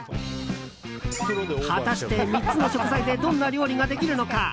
果たして３つの食材でどんな料理ができるのか。